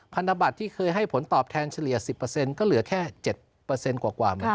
พันธบัตรที่เคยให้ผลตอบแทนเฉลี่ย๑๐ก็เหลือแค่๗กว่าเหมือนกัน